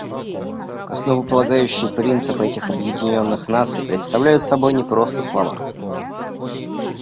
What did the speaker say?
Основополагающие принципы этих Объединенных Наций представляют собой не просто слова.